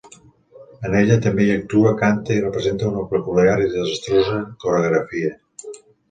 En ella també hi actua, canta, i representa una peculiar i desastrosa coreografia.